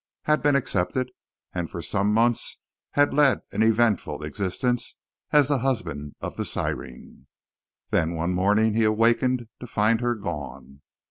had been accepted, and for some months had led an eventful existence as the husband of the siren. Then, one morning, he awakened to find her gone.